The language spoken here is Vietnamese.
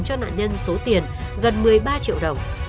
cho nạn nhân số tiền gần một mươi ba triệu đồng